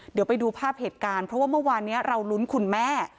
เดี๋ยวไปดูภาพเหตุการณ์เพราะว่าเมื่อวานนี้เราลุ้นคุณแม่